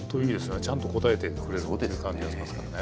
ちゃんと答えてくれるという感じがしますからね。